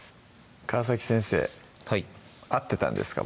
川先生はい合ってたんですか？